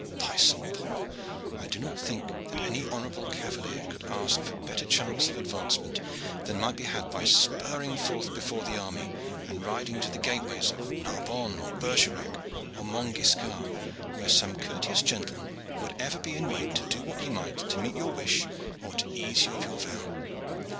By St. Paul! I do not think that any honorable cavalier could ask for better chance of advancement than might be had by spurring forth before the army and riding to the gateways of Narbonne, or Bergerac or Mont Giscar, where some courteous gentleman would ever be at wait to do what he might to meet your wish or ease you of your vow.